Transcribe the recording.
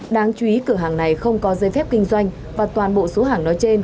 đáng chú ý cửa hàng này không có giấy phép kinh doanh và toàn bộ số hàng nói trên